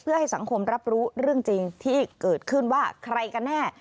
เพื่อให้สังคมรับรู้เรื่องจริงที่เกิดขึ้นว่าใครกันแน่